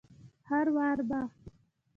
هروار به